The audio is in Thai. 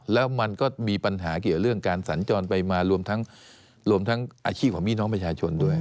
แล้วมันก็มีปัญหาเกี่ยวเรื่องการสัญจรไปมารวมทั้งรวมทั้งอาชีพของพี่น้องประชาชนด้วย